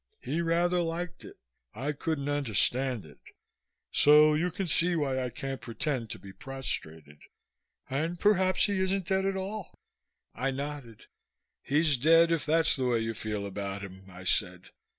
He rather liked it. I couldn't understand it. So you can see why I can't pretend to be prostrated. And perhaps he isn't dead at all." I nodded. "He's dead if that's the way you feel about him," I said.